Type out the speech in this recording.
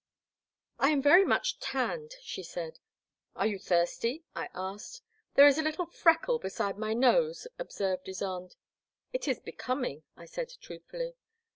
I am very much tanned, she said. Are you thirsty,*' I asked. There is a little freckle beside my nose,'* ob served Ysonde. It is becoming, I said truthfully.